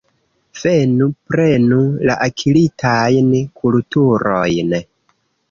Venu, prenu la akiritajn kulturojn.